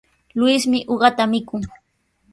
Luismi uqata mikun.